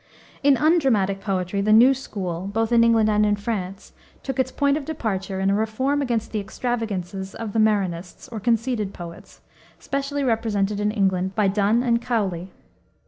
In undramatic poetry the new school, both in England and in France, took its point of departure in a reform against the extravagances of the Marinists, or conceited poets, specially represented in England by Donne and Cowley.